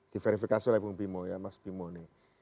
diverifikasi oleh bung bimo ya mas bimo nih